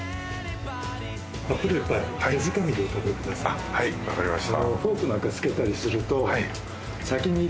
ここではい分かりました